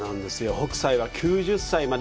北斎は９０歳まで